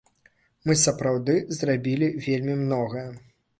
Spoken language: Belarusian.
Мы сапраўды зрабілі вельмі многае.